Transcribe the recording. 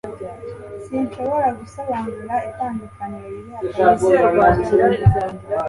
sinshobora gusobanura itandukaniro riri hagati yibi byombi